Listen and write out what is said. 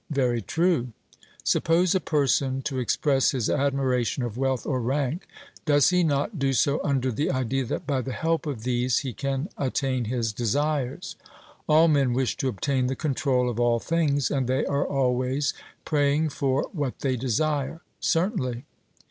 'Very true.' Suppose a person to express his admiration of wealth or rank, does he not do so under the idea that by the help of these he can attain his desires? All men wish to obtain the control of all things, and they are always praying for what they desire. 'Certainly.'